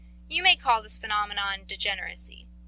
You may call this phenomenon degeneracy.